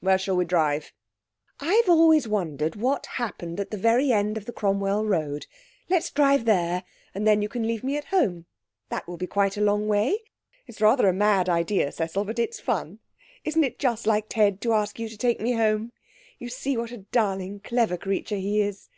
'Where shall we drive?' 'I've always wondered what happened at the very end of the Cromwell Road. Let's drive there, and then you can leave me at home. That will be quite a long way. It's rather a mad idea, Cecil, but it's fun. Isn't it just like Ted to ask you to take me home? You see what a darling, clever creature he is.